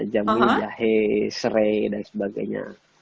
jamu jahe serai dan sebagainya